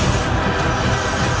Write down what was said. aku akan menang